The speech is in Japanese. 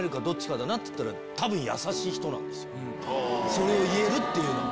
それを言えるっていうのは。